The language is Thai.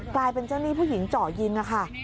กลายเป็นเจ้าหนี้ผู้หญิงเจาะยิงนะคะ